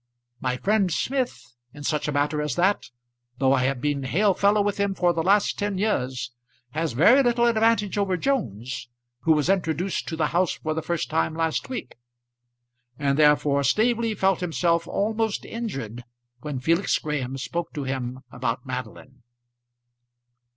My friend Smith in such a matter as that, though I have been hail fellow with him for the last ten years, has very little advantage over Jones, who was introduced to the house for the first time last week. And therefore Staveley felt himself almost injured when Felix Graham spoke to him about Madeline.